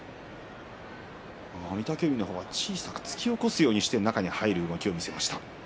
御嶽海の方は小さく突き起こすようにして中に入る動きを見せました。